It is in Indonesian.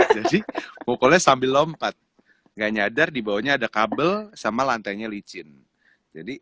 jadi pokoknya sambil lompat nggak nyadar dibawahnya ada kabel sama lantainya licin jadi